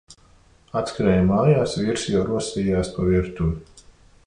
Atskrēju mājās, vīrs jau rosījās pa virtuvi.